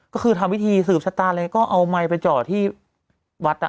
ก็คือทำพิธีสืบชะตาเลยก็เอาไมค์ไปจอดที่วัดอ่ะ